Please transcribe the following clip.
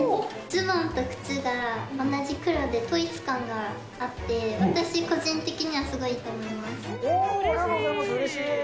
ズボンと靴が同じ黒で統一感があって、私個人的にはすごいいいとおー、ありがとうございます。